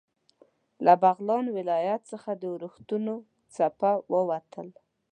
له بغلان ولایت څخه د اورښتونو څپه ووتل.